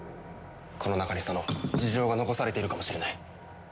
この中にその事情が残されているかもしれない。